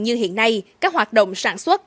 như hiện nay các hoạt động sản xuất